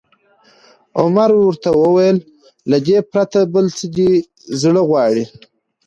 عمر ورته وویل: له دې پرته، بل څه دې زړه غواړي؟